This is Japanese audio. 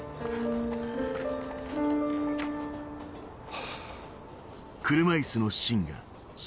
ハァ。